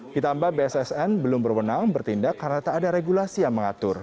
ditambah bssn belum berwenang bertindak karena tak ada regulasi yang mengatur